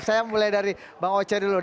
saya mulai dari bang oce dulu